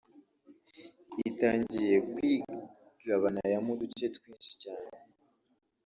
itangiye kwigabanayamo uduce twinshi cyane